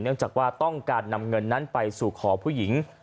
จากว่าต้องการนำเงินนั้นไปสู่ขอผู้หญิง